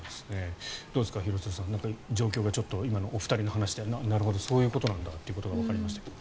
どうですか廣津留さん状況が今のお二人の話でなるほどそういうことなんだってわかりましたけど。